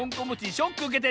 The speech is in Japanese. ショックうけてんの？